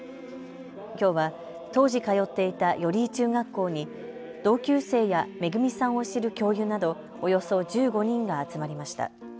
きょうは当時通っていた寄居中学校に同級生やめぐみさんを知る教諭などおよそ１５人が集まりました。